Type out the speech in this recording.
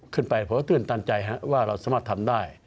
ขึ้นไปผมก็ตื่นตันใจฮะว่าเราสามารถทำได้